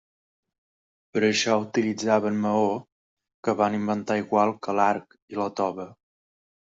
Per a això utilitzaven maó, que van inventar igual que l'arc, i la tova.